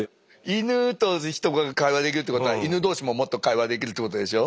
イヌとヒトが会話できるってことはイヌ同士ももっと会話できるってことでしょ？